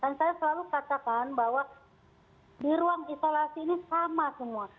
dan saya selalu katakan bahwa di ruang isolasi ini sama semua